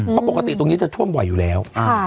เพราะปกติตรงนี้จะถูมไว้อยู่แล้ว